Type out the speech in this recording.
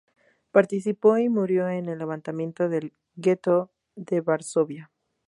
Participó y murió en el Levantamiento del gueto de Varsovia.